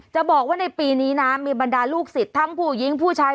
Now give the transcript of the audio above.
จะบอกว่าในปีนี้นะมีบรรดาลูกศิษย์ทั้งผู้หญิงผู้ชาย